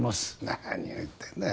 何を言ってんだよ